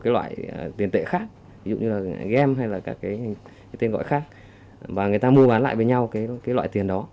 cái loại tiền tệ khác ví dụ như là game hay là các cái tên gọi khác và người ta mua bán lại với nhau cái loại tiền đó